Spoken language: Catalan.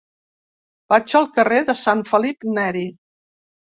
Vaig al carrer de Sant Felip Neri.